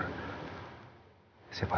di luar pagar